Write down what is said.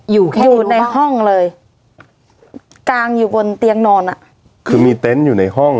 อยู่แค่อยู่ในห้องเลยกลางอยู่บนเตียงนอนอ่ะคือมีเต็นต์อยู่ในห้อง